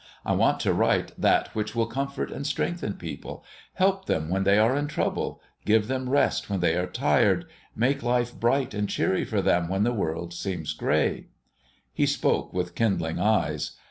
I want to write that which shall comfort and strengthen people, help them when they are in trouble, give them rest when they are tired, make life bright and cheery for them when the world seems gray." He spoke with kindling eyes.